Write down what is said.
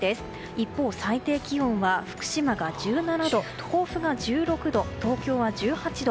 一方、最低気温は福島が１７度甲府が１６度東京は１８度。